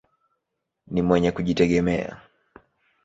Ni mwenye kujitegemea.